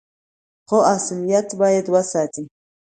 خو اصليت بايد وساتي.